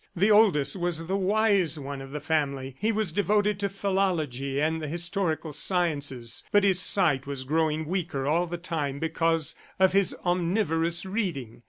The oldest was the wise one of the family. He was devoted to philology and the historical sciences, but his sight was growing weaker all the time because of his omnivorous reading.